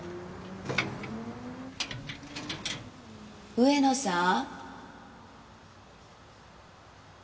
上野さん？